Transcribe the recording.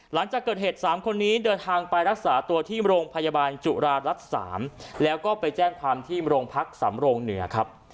หลังจากเกิดเหตุ๓คนนี้เดินทางไปรักษาตัวที่โรงพยาบาลจุฬารัฐ๓แล้วก็ไปแจ้งความที่โรงพักสำโรงเหนือครับ